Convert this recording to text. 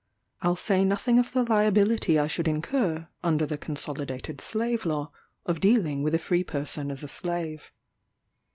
I'll say nothing of the liability I should incur, under the Consolidated Slave Law, of dealing with a free person as a slave.